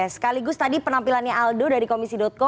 sekaligus tadi penampilannya aldo dari komisi co